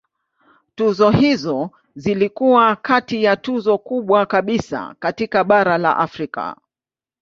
Tuzo hizo zilikuwa kati ya tuzo kubwa kabisa katika bara la Afrika.